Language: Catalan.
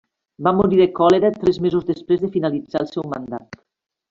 Va morir de còlera tres mesos després de finalitzar el seu mandat.